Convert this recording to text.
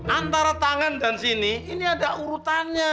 antara tangan dan sini ini ada urutannya